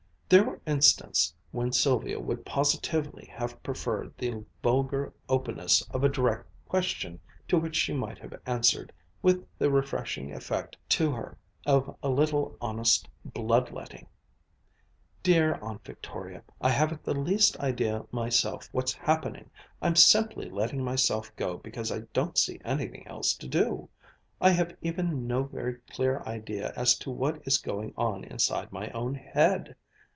There were instants when Sylvia would positively have preferred the vulgar openness of a direct question to which she might have answered, with the refreshing effect to her of a little honest blood letting: "Dear Aunt Victoria, I haven't the least idea myself what's happening! I'm simply letting myself go because I don't see anything else to do. I have even no very clear idea as to what is going on inside my own head.